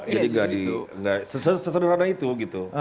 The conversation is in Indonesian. jadi tidak sesederhana itu gitu